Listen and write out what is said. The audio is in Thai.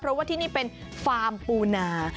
เพราะว่าที่นี่เป็นฟาร์มปูนา